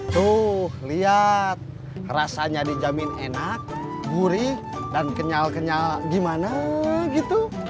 tuh lihat rasanya dijamin enak gurih dan kenyal kenyal gimana gitu